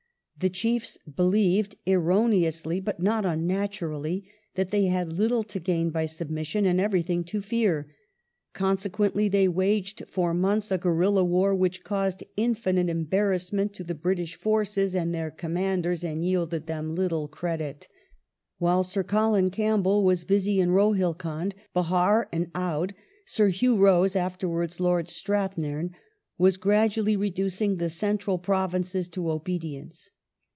The chiefs believed, erroneously but not unnaturally, that they had little to gain by submission and everything to fear. Consequently they waged for months a guerilla war which caused infinite embarrassment to the British forces and their commanders, and yielded them Httle credit. Reduction While Sir Colin Campbell was busy in Rohilkhand, Behar, and c^ '^ral 0^dti» Sir Hugh Rose (afterwards Lord Strathnairn) was gradually Provinces reducing the Central Provinces to obedience.